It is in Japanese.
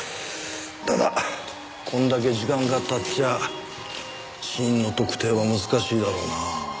ただこれだけ時間が経っちゃ死因の特定は難しいだろうな。